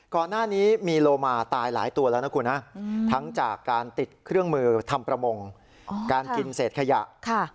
ก่อนหน้านี้มีโลมาตายหลายตัวแล้วนะคุณนะทั้งจากการติดเครื่องมือทำประมงการกินเศษขยะ